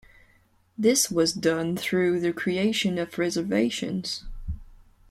This was done through the creation of reservations.